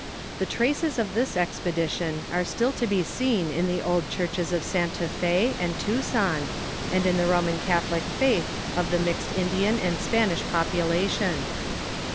The traces of this expedition are still to be seen in the old church es of Santa Fe and Tucson, and in the Roman Catholic faith of the mixed Indian and Spanish population.